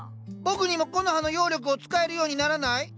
僕にもコノハの妖力を使えるようにならない？